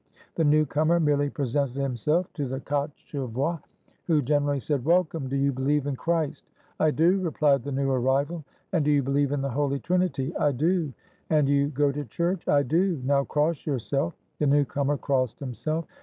The newcomer merely presented himself to the kosche voi, who generally said, "Welcome! Do you believe in Christ?" — "I do," replied the new arrival. — ''And do you believe in the Holy Trinity?" — "I do." — "And you go to church? "■—" I do." —" Now cross yourself." The newcomer crossed himself.